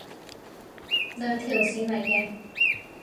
兩條線嚟嘅